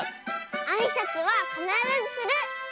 あいさつはかならずする！